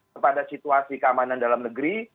kepada situasi keamanan dalam negeri